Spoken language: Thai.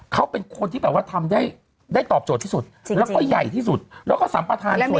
เค้าเป็นคนที่ทำได้ตอบโจทย์ที่สุดแล้วก็ใหญ่ที่สุดแล้วก็สัมประธานส่วนใหญ่